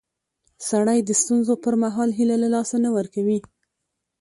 سړی د ستونزو پر مهال هیله له لاسه نه ورکوي